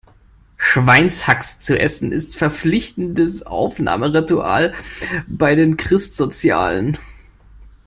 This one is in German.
Schweinshaxe zu essen, ist verpflichtendes Aufnahmeritual bei den Christsozialen.